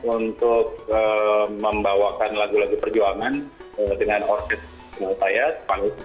untuk membawakan lagu lagu perjuangan dengan orkestrasi